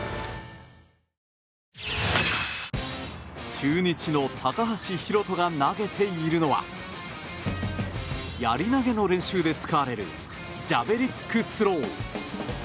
中日の高橋宏斗が投げているのはやり投げの練習で使われるジャベリックスロー。